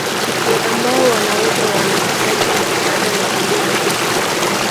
Ni ambao wanaweza wanahitaji msaada na huduma